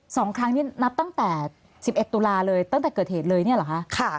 สองครั้งนี่นับตั้งแต่สิบเอ็ดตุลาเลยตั้งแต่เกิดเหตุเลยเนี่ยเหรอคะค่ะ